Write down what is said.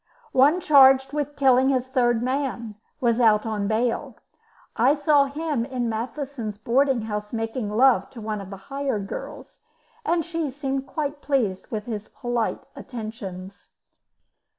One, charged with killing his third man, was out on bail. I saw him in Matheson's boarding house making love to one of the hired girls, and she seemed quite pleased with his polite attentions.